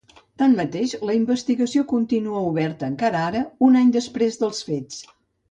Tanmateix, la investigació continua oberta encara ara, un any després dels fets.